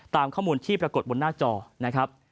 ตามข้อมูลที่ปรากฏบนหน้าจอนะครับ